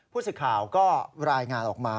สิทธิ์ข่าวก็รายงานออกมา